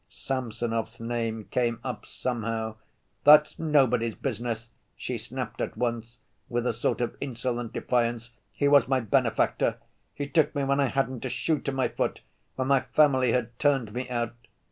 Samsonov's name came up somehow. "That's nobody's business," she snapped at once, with a sort of insolent defiance. "He was my benefactor; he took me when I hadn't a shoe to my foot, when my family had turned me out."